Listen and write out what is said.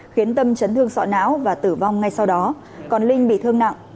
khiến tâm chấn thương sọ não và tử vong ngay sau đó còn linh bị thương nặng